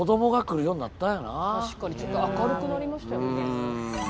確かにちょっと明るくなりましたよね。